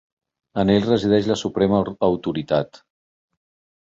En ell resideix la suprema autoritat.